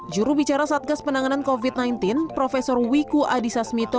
jurubicara satgas penanganan covid sembilan belas prof wiku adhisa smito